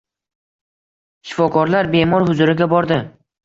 Shifokorlar bemor huzuriga bordi